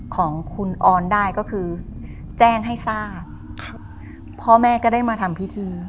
ของคุณออนได้ก็คือแจ้งให้ทราบครับพ่อแม่ก็ได้มาทำพิธี